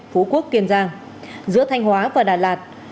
phú quốc kiên giang giữa thanh hóa và đà lạt